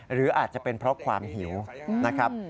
หรืออาจจะเป็นเพราะความหิวนะครับ